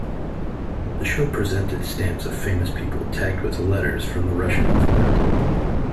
The show presented stamps of famous people tagged with letters from the Russian alphabet.